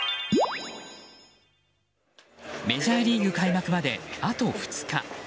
メジャーリーグ開幕まであと２日。